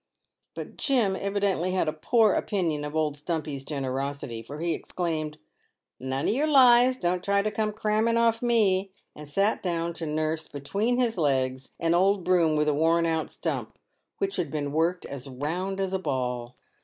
But Jim evidently had a poor opinion of old Stumpy's generosity, for he exclaimed, " None of yer lies ; don't try to come cramming of me ;" and sat down to nurse between his legs an old broom with a worn out stump, which had been worked as round as a ball.